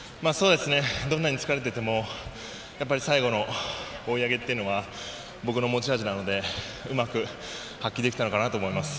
どんなに疲れていても最後の追い上げっていうのは僕の持ち味なのでうまく発揮できたのかなと思います。